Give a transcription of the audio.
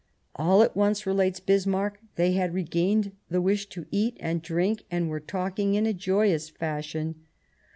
" All at once," relates Bismarck, " they had re gained the wish to eat and drink and were talking in a joyous fashion.